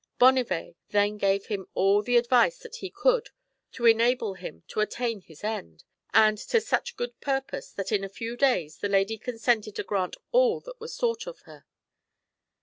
Bonnivet then gave him* all the advice that he could to enable him to attain his end, and to such good purpose that in a few days the lady consented to grant all that was sought of her.